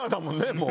もう。